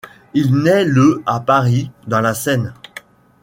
Il naît le à Paris, dans la Seine.